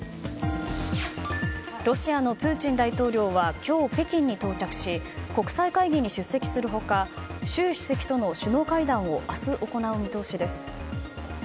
ロシアのプーチン大統領は今日、北京に到着し国際会議に出席する他習主席との首脳会談を明日、行う見通しです。